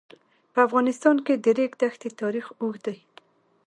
په افغانستان کې د د ریګ دښتې تاریخ اوږد دی.